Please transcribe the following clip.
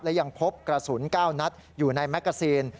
และยังพบกระสุน๙นัดอยู่ในแมกกาซีน